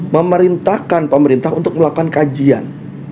memerintahkan pemerintah untuk melakukan kajian